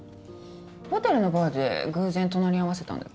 ホテルのバーで偶然隣り合わせたんだっけ？